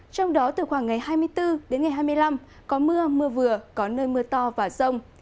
trong đó từ khoảng ngày hai mươi bốn đến ngày hai mươi năm có mưa mưa vừa có nơi mưa to và rông